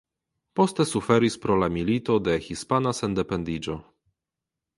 Poste suferis pro la Milito de Hispana Sendependiĝo.